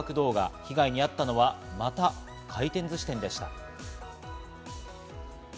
被害にあったのは、また回転ずし店でした。